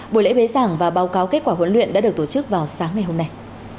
buổi lễ bế giảng và báo cáo kết quả huấn luyện đã được tổ chức vào sáng ngày hôm nay